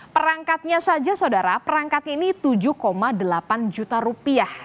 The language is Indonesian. perangkatnya saja saudara perangkatnya ini tujuh delapan juta rupiah